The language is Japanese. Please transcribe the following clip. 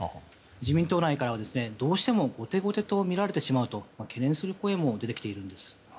自民党内からはどうしても後手後手と見られてしまうと懸念する声も出てきているんです。